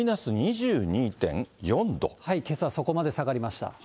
けさ、そこまで下がりました。